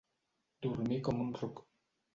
Dormir com un ruc.